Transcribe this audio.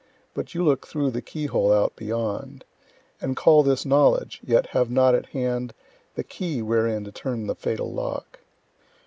But you look through the key hole out beyond, And call this knowledge; yet have not at hand The key wherein to turn the fatal lock.